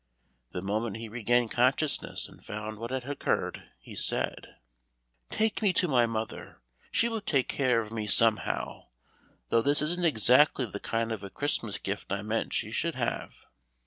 The moment he regained consciousness and found what had occurred, he said: "Take me to my mother; she will take care of me somehow, though this isn't exactly the kind of a Christmas gift I meant she should have.